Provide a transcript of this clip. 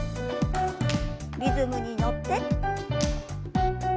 リズムに乗って。